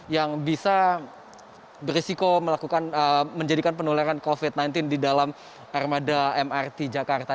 yang bisa berisiko melakukan menjadikan penularan covid sembilan belas di dalam armada mrt jakarta